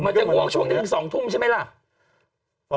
มันจะหัวช่วงจนถึง๒ทุ่มใช่ไหมล่ะ